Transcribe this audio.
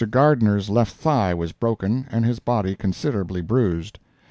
Gardner's left thigh was broken, and his body considerably bruised.